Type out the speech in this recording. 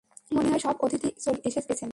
মনে হয় সব অতিথিই এসে গেছেন।